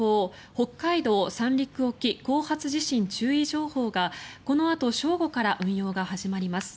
北海道・三陸沖後発地震注意情報がこのあと正午から運用が始まります。